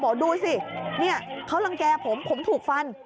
บอกดูสิเขาลังแก่ผมผมถูกฟัน